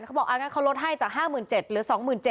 เขาบอกงั้นเขาลดให้จาก๕๗๐๐หรือ๒๗๐๐